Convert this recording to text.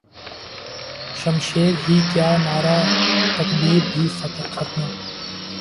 شمشیر ہی کیا نعرہ تکبیر بھی فتنہ